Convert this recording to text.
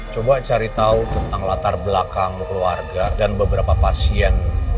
coba cari tahu tentang latar belakang keluarga dan beberapa pasien